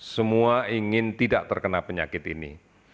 semua ingin tidak terkena penyakit ini